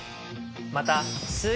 また。